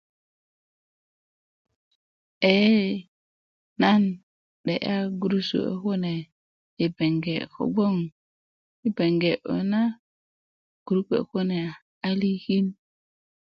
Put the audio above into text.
eye nan 'de'ya gurusu kuwe' kune yi beŋge kogboŋ yi beŋge yu na gurut kuwe' kune a likin